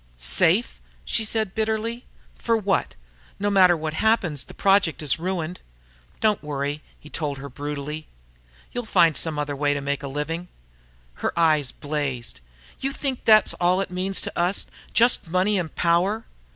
"Safe!" she said bitterly. "For what? No matter what happens, the Project is ruined." "Don't worry," he told her brutally. "You'll find some other way to make a living." Her eyes blazed. "You think that's all its means to us? Just money and power?"